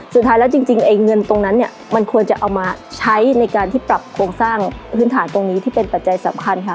สุดท้ายแล้วจริงไอ้เงินตรงนั้นเนี่ยมันควรจะเอามาใช้ในการที่ปรับโครงสร้างพื้นฐานตรงนี้ที่เป็นปัจจัยสำคัญค่ะ